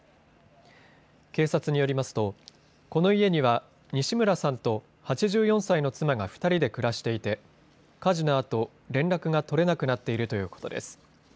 警察によりますとこの家には西村さんと８４歳の妻が２人で暮らしていて火事のあと連絡が取れなくなっているということです。